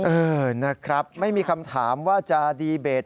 เออนะครับไม่มีคำถามว่าจะดีเบต